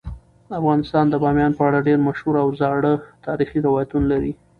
افغانستان د بامیان په اړه ډیر مشهور او زاړه تاریخی روایتونه لري.